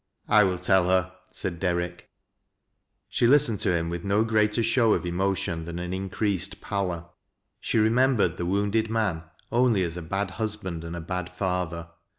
" I will tell her," said Derrick. She listened to hira with no greater show of emotion than an increased pallor. She remembered the wounded man only as a bad husband and a bad father.